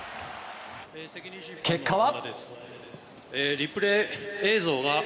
結果は。